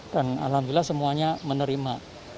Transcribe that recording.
dan alhamdulillah semuanya menerima